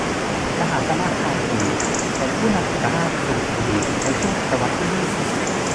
มหาตมะคานธี เป็นผู้นำเอกราชสู่อินเดียในช่วงศตวรรษที่ยี่สิบ